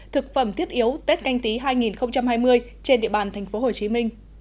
thực phẩm thiết yếu tết canh tí hai nghìn hai mươi trên địa bàn tp hcm